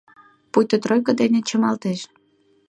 Пуйто тройко дене чымалтеш...